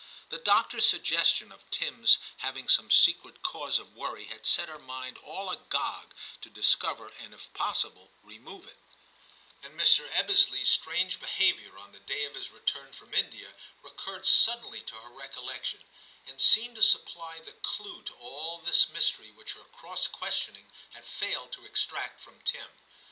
The doctor's sugges tion of Tim's having some secret cause of worry had set her mind all agog to discover and if possible remove it ; and Mr. Ebbesley's XI TIM 247 Strange behaviour on the day of his return from India recurred suddenly to her recollec tion, and seemed to supply the clue to all this mystery which her cross questioning had failed to extract from Tim.